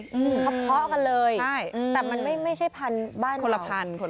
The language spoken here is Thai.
ครับเคราะห์กันเลยแต่มันไม่ใช่พันธุ์บ้านเราคนละพันธุ์